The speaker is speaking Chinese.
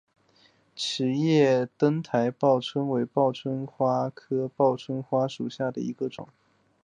齿叶灯台报春为报春花科报春花属下的一个种。